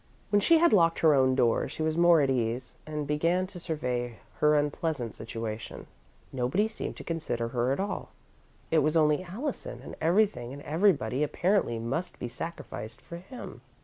When she had locked her own door, she was more at ease, and began to survey her unpleasant situation. Nobody seemed to consider her at all it was only Allison, and everything and everybody, apparently, must be sacrificed for him.